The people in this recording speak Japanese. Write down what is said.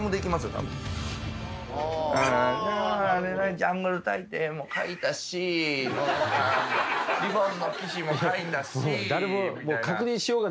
「『ジャングル大帝』も描いたし『リボンの騎士』も描いたし」